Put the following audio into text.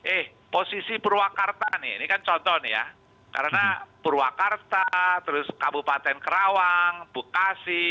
eh posisi purwakarta nih ini kan contoh nih ya karena purwakarta terus kabupaten kerawang bekasi